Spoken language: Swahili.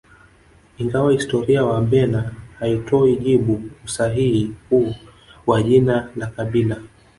Ingawa historia ya Wabena haitoi jibu usahihi huu wa jina la kabila